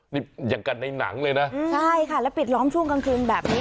นี่อย่างกันในหนังเลยนะใช่ค่ะแล้วปิดล้อมช่วงกลางคืนแบบนี้